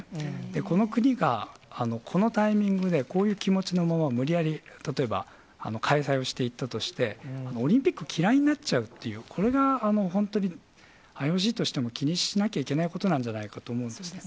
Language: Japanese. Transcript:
この国がこのタイミングで、こういう気持ちのまま、無理やり、例えば開催をしていったとして、オリンピック嫌いになっちゃうっていう、これが本当に、ＩＯＣとしても、気にしなきゃいけないことなんじゃないかと思うんですね。